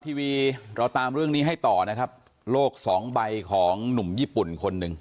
ทีวีเราตามเรื่องนี้ให้ต่อนะครับโลกสองใบของหนุ่มญี่ปุ่นคนหนึ่ง